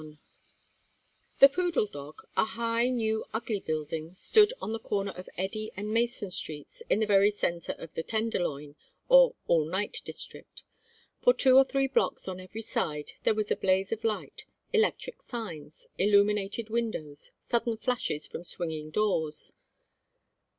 XXI The Poodle Dog, a high new ugly building, stood on the corner of Eddy and Mason Streets in the very centre of the Tenderloin, or "all night district." For two or three blocks on every side there was a blaze of light, electric signs, illuminated windows, sudden flashes from swinging doors.